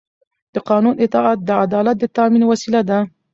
د قانون اطاعت د عدالت د تأمین وسیله ده